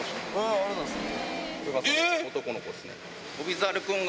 ありがとうございます。